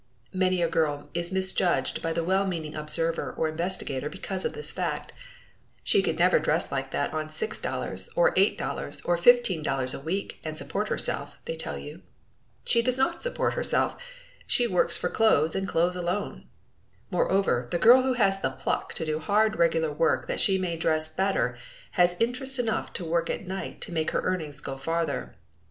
Many a girl is misjudged by the well meaning observer or investigator because of this fact "She could never dress like that on $6, $8, or $15 a week and support herself," they tell you. She does not support herself. She works for clothes, and clothes alone. Moreover, the girl who has the pluck to do hard regular work that she may dress better has interest enough to work at night to make her earnings go farther.